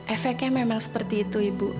efeknya memang seperti itu ibu